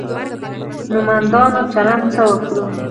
نومندانو چلند څه وکړو.